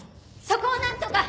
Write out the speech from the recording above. そこをなんとか！